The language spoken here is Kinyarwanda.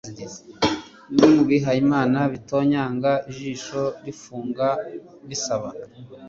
Bimwe mubihayimana bitonyanga ijisho rifunga bisaba;